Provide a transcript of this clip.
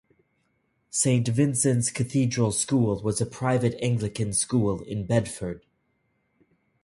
Saint Vincent's Cathedral School was a private Anglican school in Bedford.